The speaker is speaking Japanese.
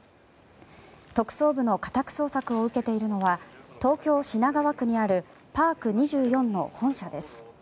特捜部の家宅捜索を受けているのは東京・品川区にあるパーク２４の本社です。